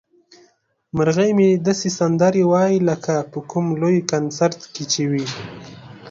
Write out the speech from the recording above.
مرغۍ مې داسې سندرې وايي لکه په کوم لوی کنسرت کې چې وي.